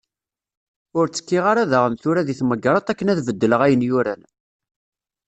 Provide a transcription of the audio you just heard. Ur tekkiɣ ara daɣen tura di tmegreḍt akken ad bedleɣ ayen yuran.